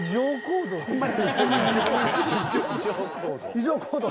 「異常行動」。